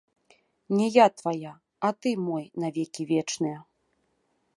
Не я твая, а ты мой на векі вечныя!